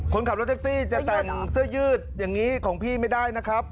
คนขับรถแท็กซี่จะแต่งเสื้อยืดอย่างนี้ของพี่ไม่ได้นะครับ